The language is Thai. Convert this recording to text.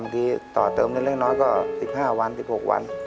บางทีต่อเติมเล่นเล็กน้อยก็สิบห้าวันสิบหกวัน